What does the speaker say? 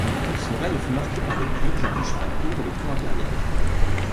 Son règne fut marqué par des purges touchant la cour et le clan impérial.